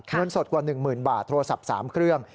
เงินสดกว่า๑๐๐๐บาทโทรศัพท์๓เครื่อง